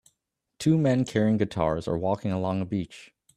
Two men carrying guitars are walking along a beach